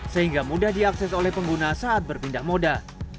sehingga mudah diakses oleh pengguna saat berpindah ke jalan